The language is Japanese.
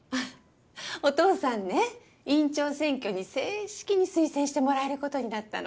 お父さんね院長選挙に正式に推薦してもらえることになったの。